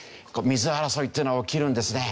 水争いっていうのは起きるんですね。